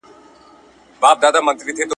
تصاویر او ویډیوګانې بې له زمینه معنا نه لري.